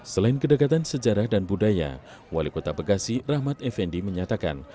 selain kedekatan sejarah dan budaya wali kota bekasi rahmat effendi menyatakan